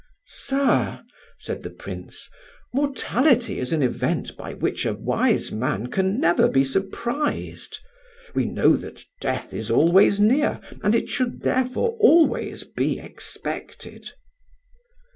"Sir," said the Prince, "mortality is an event by which a wise man can never be surprised: we know that death is always near, and it should therefore always be expected."